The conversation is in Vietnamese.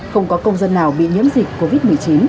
không có công dân nào bị nhiễm dịch covid một mươi chín